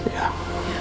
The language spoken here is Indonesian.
walaupun lama ya